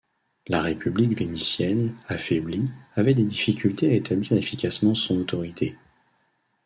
La République vénitienne, affaiblie, avait des difficultés à établir efficacement son autorité.